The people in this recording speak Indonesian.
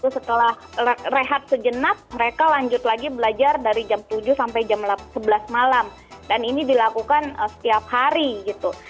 setelah rehat sejenak mereka lanjut lagi belajar dari jam tujuh sampai jam sebelas malam dan ini dilakukan setiap hari gitu